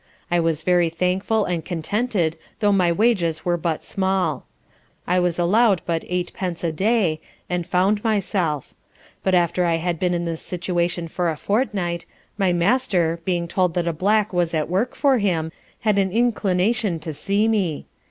I was very thankful and contented though my wages were but small. I was allowed but eight pence a day, and found myself; but after I had been in this situation for a fortnight, my Master, being told that a Black was at work for him, had an inclination to see me.